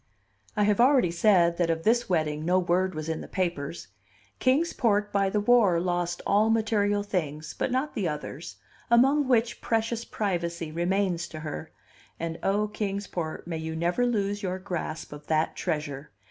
I have already said that of this wedding no word was in the papers. Kings Port by the war lost all material things, but not the others, among which precious privacy remains to her; and, O Kings Port, may you never lose your grasp of that treasure!